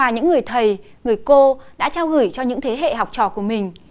những người thầy người cô đã trao gửi cho những thế hệ học trò của mình